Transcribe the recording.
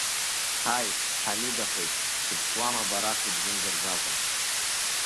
Ҳаи, Ҳамидахеит, сыбшьуама бара сыбзымдырӡакәа?!